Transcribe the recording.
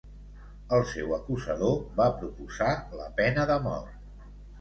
El seu acusador va proposar la pena de mort.